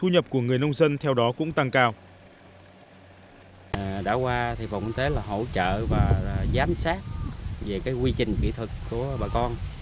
đã qua thì bộ nguyên tế hỗ trợ và giám sát về quy trình kỹ thuật của bà con